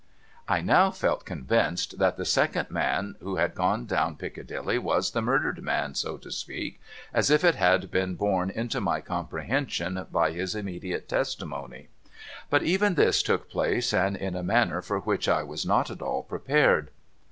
I now felt as convinced that the second man who had gone down Piccadilly was the murdered man (so to speak), as if it had been borne into my comprehension by his immediate testimony. But even this took place, and in a manner for which I was not at all prepared.